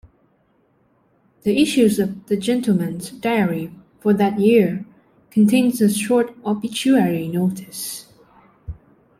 The issue of The Gentleman's Diary for that year contains a short obituary notice.